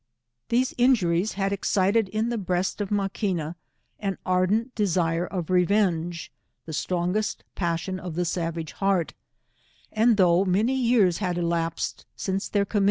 These injuries had excited in the breast of ?»Ia quina, an ardent desire of revenge; the strongest passion of the savage heart, and thDugh many years had elapsed since their comu.